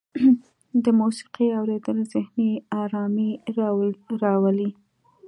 د موسیقۍ اوریدل ذهني ارامۍ راولي.